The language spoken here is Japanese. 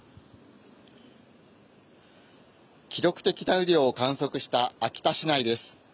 記録的な雨量を観測した秋田市内です。